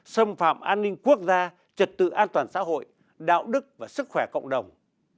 xâm phạm an ninh quốc gia trật tự an toàn xã hội đạo đức và sức khỏe cộng đồng